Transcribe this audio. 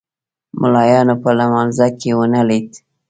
ملایانو په لمانځه کې ونه لید.